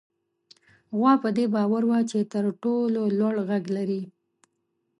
غوا په دې باور وه چې تر ټولو لوړ غږ لري.